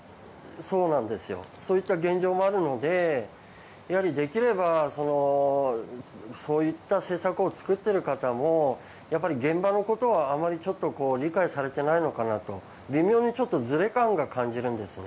そういった現状もあるのでやはりできればそういった政策を作っている方も現場のことを、あまり理解されていないのかなと微妙にずれ感を感じるんですね。